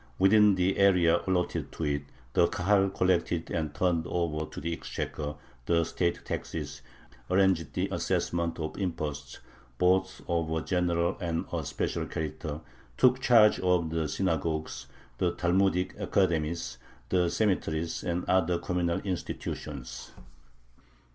Within the area allotted to it the Kahal collected and turned over to the exchequer the state taxes, arranged the assessment of imposts, both of a general and a special character, took charge of the synagogues, the Talmudic academies, the cemeteries, and other communal institutions.